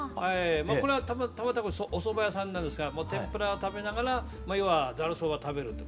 これはたまたまおそば屋さんなんですが天ぷら食べながら要はざるそば食べると。